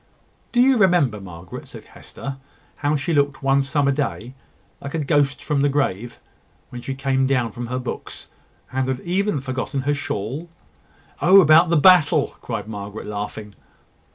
"Do you remember, Margaret," said Hester, "how she looked one summer day, like a ghost from the grave, when she came down from her books, and had even forgotten her shawl?" "Oh, about the battle!" cried Margaret, laughing.